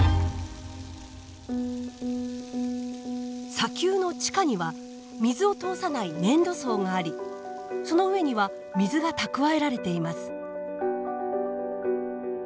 砂丘の地下には水を通さない粘土層がありその上には水が蓄えられています。